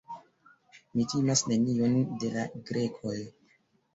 Mi timas nenion de la Grekoj.